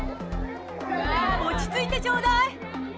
落ち着いてちょうだい。